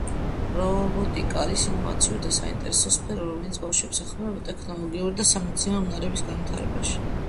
რობოტიკა არის ინოვაციური და საინტერესო სფერო, რომელიც ბავშვებს ეხმარება ტექნოლოგიური და სამეცნიერო უნარების განვითარებაში